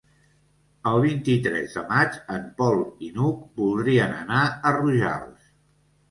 El vint-i-tres de maig en Pol i n'Hug voldrien anar a Rojals.